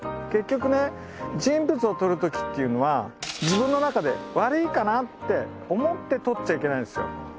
結局ね人物を撮るときっていうのは自分の中で悪いかなって思って撮っちゃいけないんですよ。